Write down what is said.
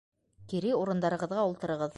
Кире урындарығыҙға ултырығыҙ.